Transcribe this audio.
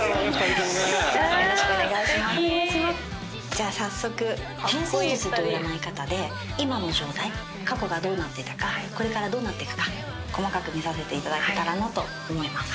じゃあ早速天星術という占い方で今の状態過去がどうなってたかこれからどうなっていくか細かく見させていただけたらなと思います。